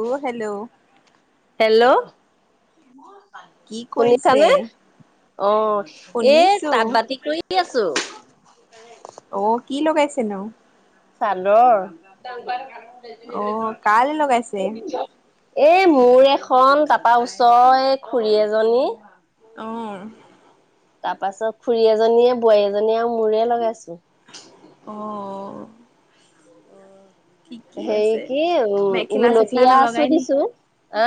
অ hello ম কি কৰিছে শুনিছানে অ এ শুনিছো তাঁত বাতি কৰি আছ। চো তিন ছাদৰ অ কাল লগাইছে এ মোৰ এখন তাৰ পৰা ওচৰ খুৰী এজনী অ তাৰ পাছত খুৰী এজনীয়ে বোৱাৰী এজনীয়ে আৰু মোৰে লগাইছো অঁ অ হে কি মেখেলা চেখেলা গুলপীয়া আছো নলগাই নি দিছো আ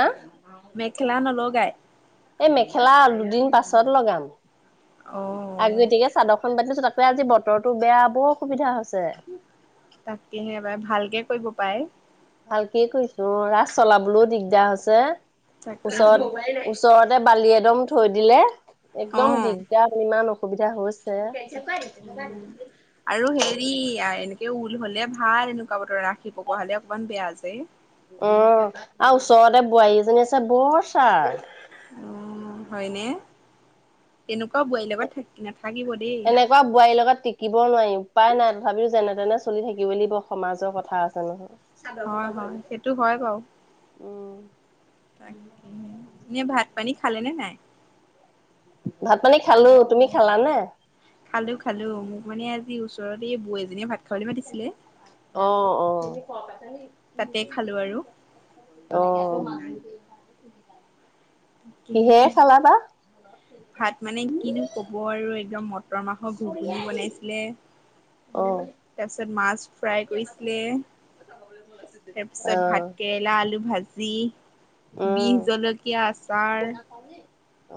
গায় এই মেখেলা দুদিন পাছত লগাম। অ' পা তাকে আজি বতৰটো বেয়া বৰ অসুবিধা হৈছে তাকেহে পাই ভালকে কৰিব পাই ভালকে কৈছো অ ৰাস চলাবলৈও দিগদাৰ হৈছে। তাকেহে অঁ উচ ওচৰতে বালি এদম থৈ দিলে অ একদম দিগদাৰ হ ইমান অসুবিধা হৈছে উম আৰু হেৰি এনেকে উ হলে ভাল এনেকুৱা বতৰ ৰাখি পোৱা হলে অকমান বেয়া যে অ আৰু ওচৰতে বোৱাৰী এজনী আছে বৰ ছাৰ উম হয়নে? তেনেকুৱাও বোৱাৰীৰ লগত থাকি না। এনেকুৱা বোৱাৰীৰ লগত টিকিবও নোৱাৰিম। উপায় নাই তথাপিও যেনে তেনে চলি থাকিব লাগিব সমাজৰ কথা আছে নহয় হয় হয় সেইটো হয় বাৰু উম তাক এ ভাত পানী খালে নে নাই ভাত পানী খালো তুমি খালানে খালো খালো মোক মানে আজি ওচৰত এই বৌ এজনীয়ে ভাত খাবলৈ মাতিছিলে আহ আহ আহ তাতে খালো আৰু। তুমি ভাত মানে কিনো কব আৰু জমত মটৰ মাহৰ ঘুগুনি বনাইছিলে অ তাৰপিছত মাছ ফ্ৰাই কৰিছিলে তাৰপিছত অ ভাত কেৰেলা আলু ভাজি দি বিষ উম জলকীয়া আছে। চাৰ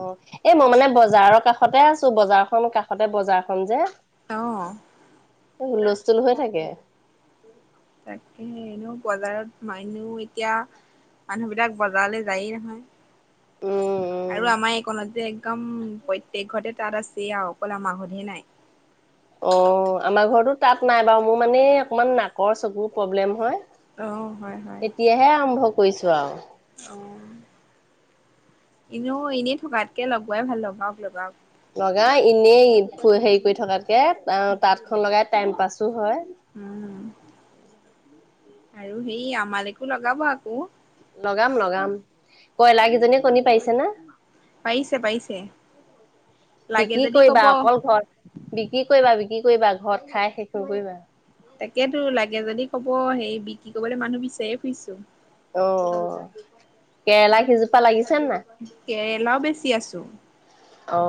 অ এই মই মানে বজাৰৰ কাষতে আছো বজাৰখন কাষতে বজাৰখন যে আহ হুলস্থুল হৈথাকে তাকে এনেও বজাৰত মানে এতিয়া। মানুহবিলাক বজাৰলৈ যায়েই নহয় উম উম আৰু আমাৰ এইকণত যে একদম প্ৰত্যেক ঘৰতে তাত আছে আৰু অকল আমা ঘৰতহে নাই। অ আমাৰ ঘৰতো তাত নাই বাৰু মোৰ মানে অকমান নাকৰ চকুৰ প্ৰব্লেম হয়। অ হয় হয় কৰিছোঁ আৰু। এনেও এনেই থকাতকে লগোৱাই ভাল লগাওক লগাওক লগা এনেই হেৰি কৰি থকাত। তে তাঁতখন লগাই টাইম পাছ হয় উম আৰু সেই আমালেকো লগাব আকৌ লগাম লগাম কয়লাৰ কেইজনীয়ে কণী পাৰিছে নে। পাৰিছে পাৰিছে লাগে বিক্ৰী যদি কৰিবা ক'ব অকল ঘৰ বিক্ৰী কৰিবা বিক্ৰী কৰিবা ঘৰত খাই শেষ নকৰিবা তাকেতো লাগে যদি কব অ সেই বিক্ৰী কৰিবলৈ মানুহ বিচাৰি ফুৰিছো অ কেৰেলা কিজোপা লাগিছে। নাই কেৰেলা বেছ চি আছো অ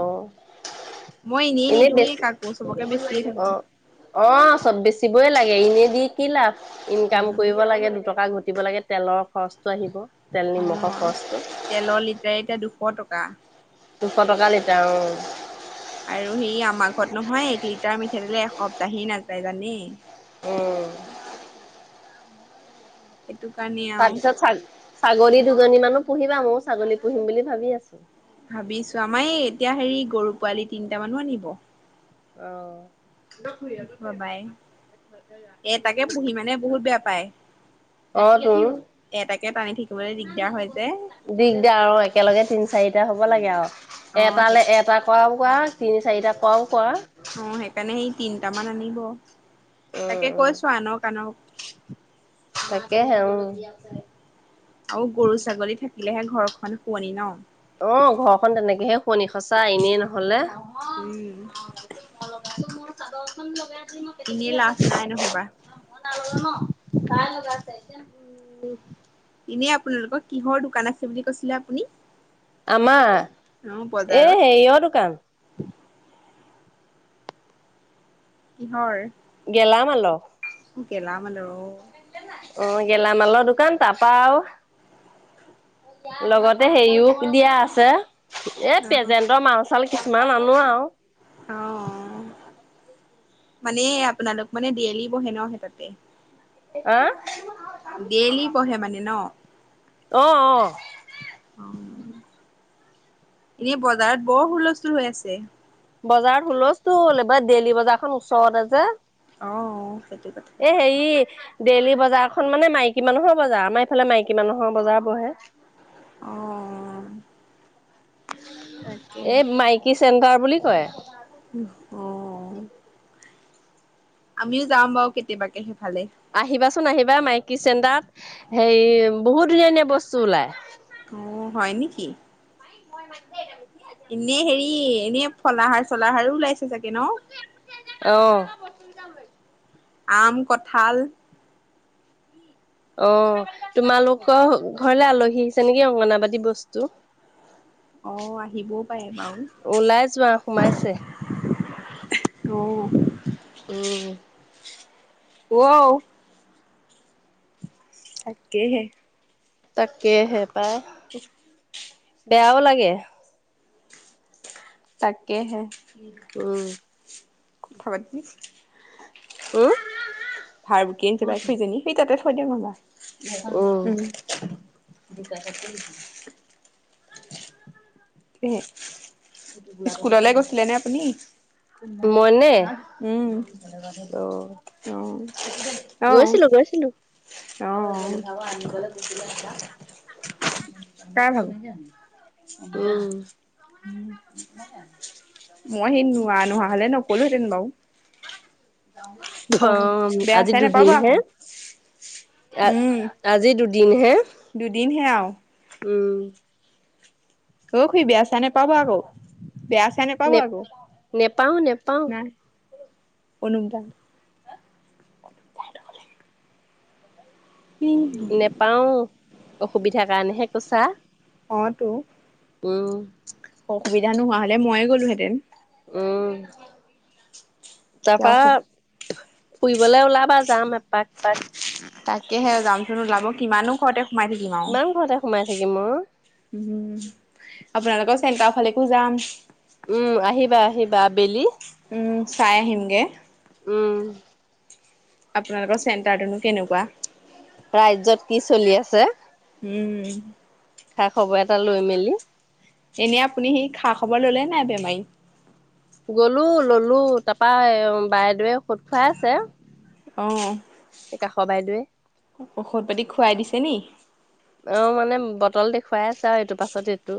মই এনেই নিদোৱেই বেছি কাকো চবকে বেচিয়ে থাকো। অ অ চব বেছি বেছিবই লাগে এনেই দি কি লাভ। ইনকাম কৰিব লাগে দুটকা ঘুটি কুতিব লাগে তেলৰ খৰচটো আহিব। তেল অ নিমখৰ খৰচটো তেলৰ লিটাৰ এতিয়া দুশ টকা [unintelligible] দুশ টকা লিটাৰ অ আৰু সে আমাৰ ঘৰত নহয় এক লিটাৰ মি খেলে এসপ্তাহি নাযায় জানে। উম সেইটো কাৰণে আৰু তাৰপিছত ছাগলী দুজনী মানো পুহিবা ময়ো ছাগলী পুহিম বুলি ভাবি আছো। ভাবিছো আমাৰ এই এতিয়া হেৰি গৰু পোৱালি তিনিটা মানো আনিব আহ বাবাই এটাকে পুহি মানে বহুত বেয়া পায় অ তোৰ এটাকে টানি থাকিবলৈ দিগদাৰ হয় যে দিগদাৰ আৰু একেলগে তিন চাৰিটা হ'ব লাগে আৰু অ সেই এটালৈ এটা ক পোৱা তিনি চাৰিটা পাওঁ অ সেইকাৰণে সেই তিনিটাামান আনিব তাকে উম কৈছো আনক আনক তাকে হে উ আৰু গৰু ছাগলী থাকিলেহে ঘৰখন শুৱনি ন অ ঘৰখন তেনেকেহে শুৱনি সচা এনেই নহলে উম আৰু লগে আজি এনেই মই লাভ নাই নহবা আৰু কাইলৈ পতি উ এনে আপোনালোকৰ কিহৰ দোকান আছে বুলি কৈছিলে আপুনি আমাৰ অ এ বজাৰত হেৰিয়ৰ দোকান হয়ৰ গেলামল হেল্ল' অ গেলামালৰ দোকান তাৰাপা আৰু লগতে হেৰিও দিয়া আছে এ অ প্ৰেজেণ্টৰ মাছ ফল কিছুমান আনো আৱ অ মানে আপোনালোক মানে দেয়লি বহে ন হে তাতে আহ ডেইলি পঢ়ে মানে ন অ অ এনেই বজাৰত বৰ হুলস্থুল হৈ আছে বজাৰত হুলস্থুল এইবাৰ দেইলী বজাৰখন ওচৰতে যে অ' সেইটো কথা এ হেই ডেইলী বজাৰখন মানে মাইকী মানুহৰ বজাৰ আমাৰ এইফালে মাইকী মানুহৰ বজাৰ বহে অঁ এই মাইকী চেণ্টাৰ বুলি কয় অ আমিও যাম বাৰু কেতিয়াবাকে সেইফালে। আহিবাচোন আহিবা মাইকী চেণ্টাৰত সেই বহুত ধুনীয়া ধুনীয়া বস্তু ওলাই অ হয় নেকি? মই মাতিয়ে থাকো এনে হেৰি এনে ফলাহাৰ চলাহাৰো ওলাইছে। চাগে ন যাম [unintelligible] আম কঁঠাল আহ তোমালোকৰ ঘৰলে আলহী আহিছে নেকি অংগনাবাদী বস্তু অ আহিবও পাৰে ওলাই যোৱা সোমাইছে বাৰু অ উম ৱউ তাকেহে তাকে হে পায় উমচ [unintelligible] বেয়াও লাগে। তাকেহে উম [inaudible] ক খাবাদ দিবি [unintelligible] উম ভাৰ বুকি আনিছে বেচেৰি জনী সেই তাতে থৈ দিয়ক নহ'বা উম উম স্কুললে গৈছিলে নে আপুনি মইনে উম অ অ আহ গৈছিলো গৈছিলো অ অ আনিবলৈ দিছিলে আটা [unintelligible] কাৰ ভাগৰ কি কাম? স উম [unintelligible] মই সি নোৱা নোহোৱা হলে নকলো হেঁতেন বাৰু য আজি দুদিন হে আজি। দু দিন হে দুদিন হে আওঁ উম অ খুড়ী বেয়া চেয়া নে পাব আকৌ বেয়া চেয়া নেপাবা নে আকৌ নেপাওঁ নেপাওঁ নাই অনুপ দা ত নেপাওঁ অসুবিধাৰ কাৰণেহে কৈছা অটো ওম অসুবিধা নোহোৱা হলে ময়ে'গলোহেতেন উম তাৰপা তেওঁ ফুৰিবলে ওলাবা যাম এপাক পাচঁ তাকেহে যামচোন ওলাব কিমানো ঘৰতে সোমাই থাকিম আওঁ কিমান ঘৰতে সোমাই থাকিম অ উ আপোনালোকৰ চেন্টাৰ ফালেকো যাম। উম আহিবা আহিবা আবেলি উম চাই আহিমগে উম আপোনালোকৰ চেণ্টাৰটোনো কেনেকুৱা ৰাজ্যত কি চলি আছে উম খা খবৰ এটা লৈ মেলি এনেই আপুনি সি খা খবৰ ললে নাই বেমাৰী? গলো ললো তাপা বাইেদেৱে ঔষধ খুৱাই আছে। অঁ এই কাষৰ বাইদেৱে ঔষধ পাতি খুৱাই দিছে নি তল দেখুৱাই আছে আৰু এইটো পাছত এইটো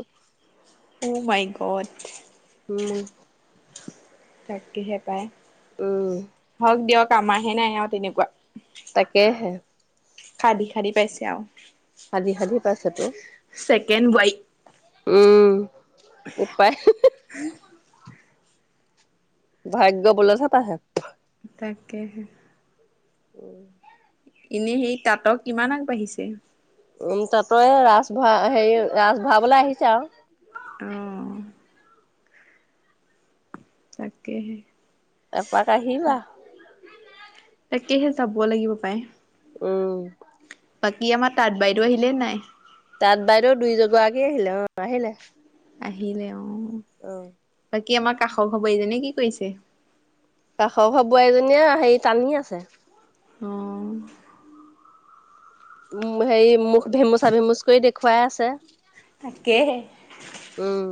অ' মাই গদ উম তাকেহে পায় উম হক দিয়ক আমাৰ হে নাই আও তেনেকুৱা। তাকেহে খাদি খাদি পাইছে আওঁ [unintelligible] পাইছে তো চেকেণ্ড ৱাই উম উপায় নাই ভাগ্য বলত হে পাইছে তাকেহে উম এনেই সেই তাঁতৰ কিমান আগবাঢ়িছে? উম তাত ৰাজ ভৰা হেৰি ৰাজ ভৰাবলৈ আহিছে আওঁ। অ', তাকেহে এপাক আহি বা তাকেহে যাব লাগিব পায় উম বাকী আমাৰ তাঁত বাইদেউ আহিলে নাই তাত বাইদেউ দুই গৰাকী আহিলে, অ আহিলে আহিলে অঁ অ কি আমাৰ কাষৰ ঘৰৰ বোৱাৰীজনী কি কৰিছে? কাষৰ বোৱাৰী জনীয়ে হেৰি টানি আছে অঁ উ হেৰি মুখ ভেমুচা ভেমুচ কৰি দেখুৱাই আছে তাকেহে, উম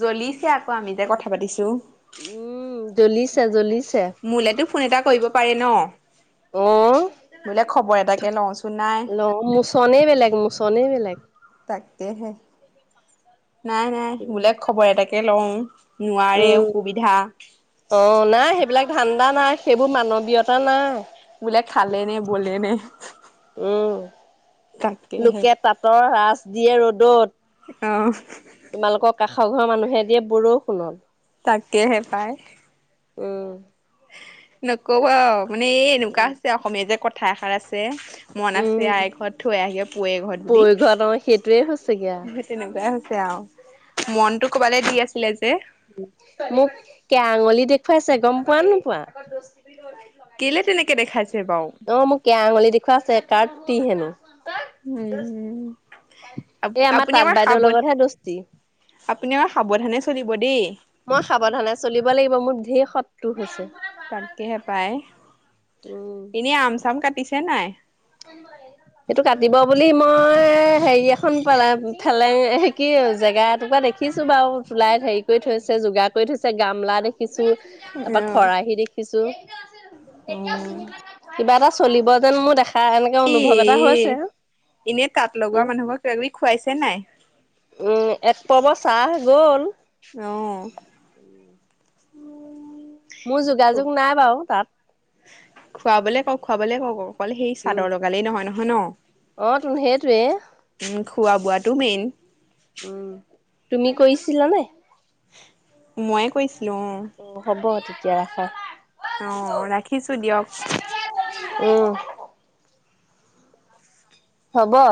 জ্বলি ছেঃ আক, আমি যে কথা পাতিছো। উম জ্বলিছেজ্বলিছে মোলেতো ফোন এটা কৰিব পাৰেি ন, অ বোলে খবৰ এটাকে লওঁচোন নাই ল মোচনেই বেলেগ মোচনেই বেলেগ তাক। কেহে নাই নাই মোলে খবৰ এটা পেলং নোৱাৰে উম অসুবিধা অ' নাই সেইবিলাক ধান্দা নাই সেইবোৰ মানৱীয়তা নাই বোলে খালে নে বলে নে উম। তাকেহে লোকে তাঁতৰ ৰাচ দিয়ে ৰ'দত অঁ তোমালোকৰ কাষ ঘৰ ঘৰ মানুহিয়েদি বৰষুণত তাকেহে পায় উম নকবা মানে এই এনেকুৱা হৈছে অসমীয়া যে কথা পিঠা সাৰ আছে মন আছে উম আ ঘৰত থৈ আহিবে পে ঘৰত বুলি পৰিঘট অ' সেইটোৱে হৈছেগে আৰু স তেনেকুৱাই হৈছে আৰু। মনটো কৰ'বালে দি আছিলে যে মোক কে আঙুলি দেখুৱাইছে গম পোৱা নো পোৱা কেলে তেনেকে দেখাইছে বাৰু অ মোক কেয়া আঙুলিি দেখুৱা আছে। টিহেনো উম এই আমাৰ আপুনি তাঁত বাইদেউৰ সাৱত লগতহে দোস্তি আপুনি অলপ সাৱধানে চলিব দেই মই সাৱধানে চলিব লাগিব মোৰ ধেৰ সত টো হৈছে তাকেহে পায় উম। এনে আম চাম কাটি পিছে নাই সেইটো কাটিব বুলি মই হেৰি এখন পালাঠালেং এ কি জেগা এটুকুৰা দেখিছো বাৰু ।চুলাই হেৰি কৰি থৈছে যোগাৰ কৰি থৈছে গামলা দেখি দেখিছোঁ তাৰপৰা খৰাহি দেখিছোঁ অ কিবা এটা চলিব যেন মোৰ দেখা এনেকে এ অনুভৱ এটা হৈছে এনে তাঁত লগোৱা উম মানুহবোৰক কিবা কিবি খুৱাইছে নাই। উম এক পৰ্ব চাহ গ'ল আহ উম [inaudible] মোৰ যোগাযোগ নাই বাৰু তাত খুৱাবলে কওক খুৱাবলে কওক অকল সেই উম চাদৰ লগাল নহয় নহয় হ ন' অ তো সেইটোৱে উম খোৱা বোৱাটো মেইন উম তুমি কৰিছিলা নে? ময়ে কৈছো অ হ'ব তেতি এতিয়া ৰাখা অ ৰাখিছো দিয়ক উম হব